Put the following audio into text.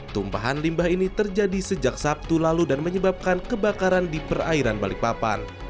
tumpahan limbah ini terjadi sejak sabtu lalu dan menyebabkan kebakaran di perairan balikpapan